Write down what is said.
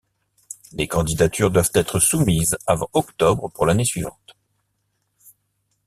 Les candidatures doivent être soumises avant octobre pour l'année suivante.